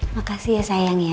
makasih ya sayang ya